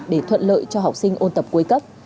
để thuận lợi cho học sinh ôn tập cuối cấp